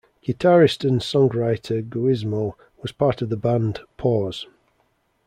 Guitarist and songwriter Guizmo was part of the band Pause.